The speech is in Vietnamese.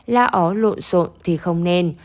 la ó lộn xộn thì không nên